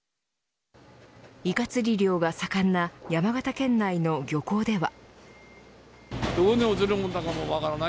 イカ釣り漁が盛んな山形県内の漁港では。